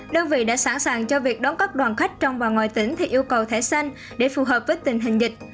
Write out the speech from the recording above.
đơn vị đã sẵn sàng cho việc đón các đoàn khách trong và ngoài tỉnh theo yêu cầu thẻ xanh để phù hợp với tình hình dịch